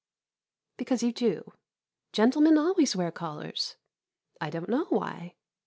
Because you do. Gentlemen always wear collars. I don't know why.